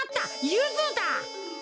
ゆずだ！